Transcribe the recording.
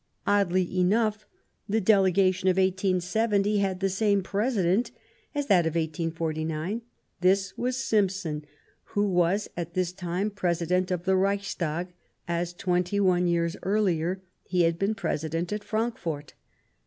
Oddly enough, the Delega tion of 1870 had the same President as that of 1849 ; this was Simson, who was at this time President of the Reichstag as, twenty one years earlier, he had been President at Frankfort.